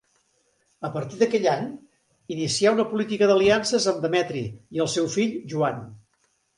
A partir d'aquell any, inicià una política d'aliances amb Demetri i el seu fill, Joan.